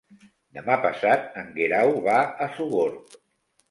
Demà passat en Guerau va a Sogorb.